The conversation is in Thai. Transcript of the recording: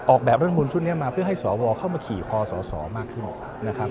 ออกแบบเรื่องมูลชุดนี้มาเพื่อให้สวเข้ามาขี่คอสสมากขึ้น